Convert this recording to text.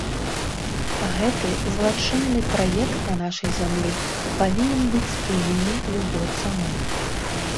Гэты злачынны праект на нашай зямлі павінен быць спынены любой цаной!